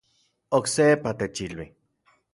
Oksepa techilui